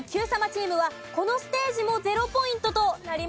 チームはこのステージも０ポイントとなりました。